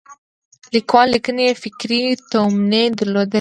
لیکوال لیکنې یې فکري تومنې درلودلې دي.